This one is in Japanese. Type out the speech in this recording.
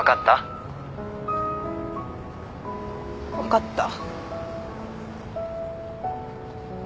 分かった。